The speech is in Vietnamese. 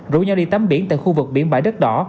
rủ nhau đi tắm biển tại khu vực biển bãi đất đỏ